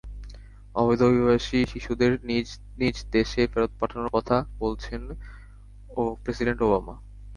অবৈধ অভিবাসী শিশুদের নিজ নিজ দেশে ফেরত পাঠানোর কথা বলেছেন প্রেসিডেন্ট ওবামা।